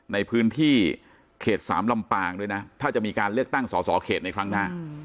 ในพื้นที่เขต๓ลำปางด้วยนะถ้าจะมีการเลือกตั้งสอสอเขตในครั้งหน้า